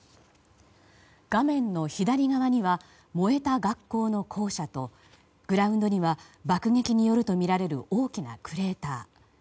画面の左側には燃えた学校の校舎とグラウンドには爆撃によるとみられる大きなクレーター。